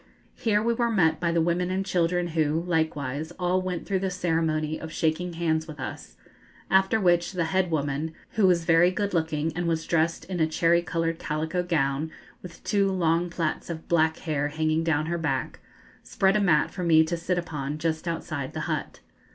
Here we were met by the women and children, who, likewise, all went through the ceremony of shaking hands with us, after which the head woman, who was very good looking, and was dressed in a cherry coloured calico gown, with two long plaits of black hair hanging down her back, spread a mat for me to sit upon just outside the hut.